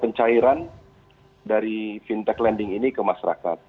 pencairan dari fintech lending ini ke masyarakat